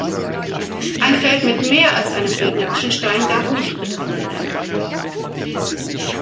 Ein Feld mit mehr als einem gegnerischen Stein darf nicht betreten werden.